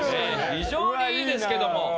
非常にいいですけども。